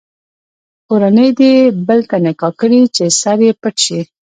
کورنۍ دې بل ته نکاح کړي چې سر یې پټ شي.